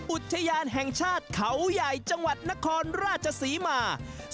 อุทยานแห่งชาติเขาใหญ่จังหวัดนครราชศรีมา